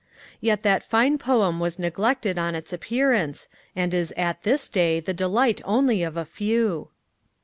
Yet that fine poem was neglected on its appearance, and is at this day the delight only of a few!